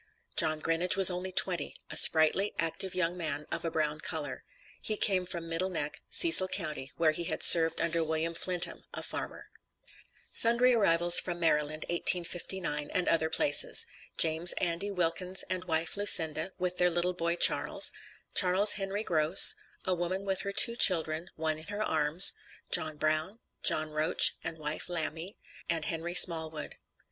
John Grinage was only twenty, a sprightly, active young man, of a brown color. He came from Middle Neck, Cecil county, where he had served under William Flintham, a farmer. SUNDRY ARRIVALS FROM MARYLAND (1859) AND OTHER PLACES. JAMES ANDY WILKINS, and wife LUCINDA, with their little boy, CHARLES, CHARLES HENRY GROSS, A WOMAN with her TWO CHILDREN one in her arms JOHN BROWN, JOHN ROACH, and wife LAMBY, and HENRY SMALLWOOD.